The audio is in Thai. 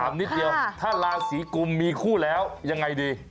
นิดเดียวถ้าราศีกุมมีคู่แล้วยังไงดี